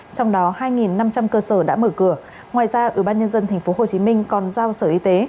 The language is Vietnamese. trong đó hai năm trăm linh cơ sở đã mở cửa ngoài ra ubnd tp hcm còn giao sở y tế